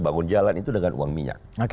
bangun jalan itu dengan uang minyak